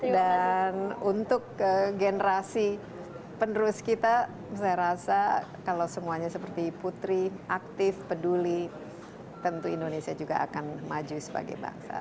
dan untuk generasi penerus kita saya rasa kalau semuanya seperti putri aktif peduli tentu indonesia juga akan maju sebagai bangsa